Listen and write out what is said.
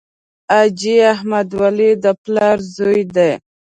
حاجي احمد ولي د پلار زوی دی.